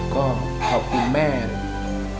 ก็ขอบคุณแม่นะ